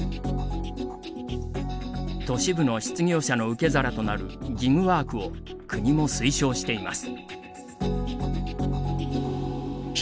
都市部の失業者の受け皿となるギグワークを国も推奨しています。